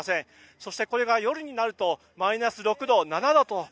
そして、これが夜になるとマイナス６度、７度と。